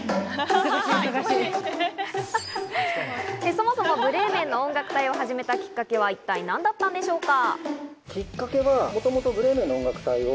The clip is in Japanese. そもそも、ブレーメンの音楽隊を始めたきっかけは一体、何だったんでしょうか？